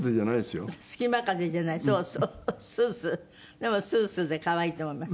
でもスースーで可愛いと思います。